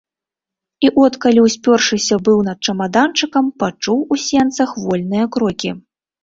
І от калі ўспёршыся быў над чамаданчыкам, пачуў у сенцах вольныя крокі.